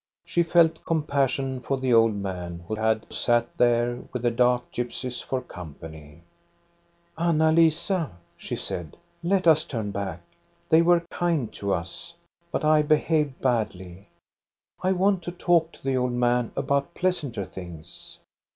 She felt compassion for the old man who had sat there with the dark gypsies for company. THE FOREST COTTAGE 443 Anna Lisa," she said, " let us turn back ! They were kind to us, but I behaved badly. I want to talk to the old man about pleasanter things."